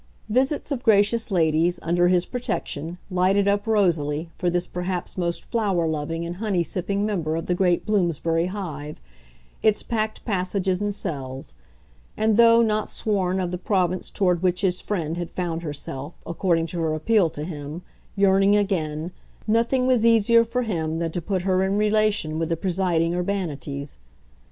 Visits of gracious ladies, under his protection, lighted up rosily, for this perhaps most flower loving and honey sipping member of the great Bloomsbury hive, its packed passages and cells; and though not sworn of the province toward which his friend had found herself, according to her appeal to him, yearning again, nothing was easier for him than to put her in relation with the presiding urbanities.